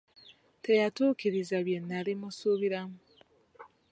Teyatuukiriza bye nali mmusuubiramu.